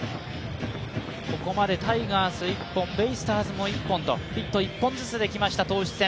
ここまでタイガース１本、ベイスターズも１本とヒット１本ずつできました投手戦。